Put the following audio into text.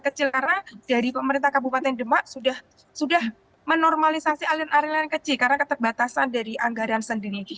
karena dari pemerintah kabupaten demak sudah menormalisasi alien aliran yang kecil karena keterbatasan dari anggaran sendiri